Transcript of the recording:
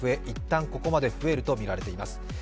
いったんここまで増えるとみられています。